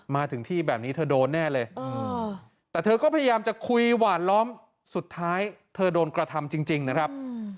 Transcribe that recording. มาถึงที่แบบนี้เธอโดนแน่เลยแต่เธอก็พยายามจะคุยหวานล้อมสุดท้ายเธอโดนกระทำจริงนะครับ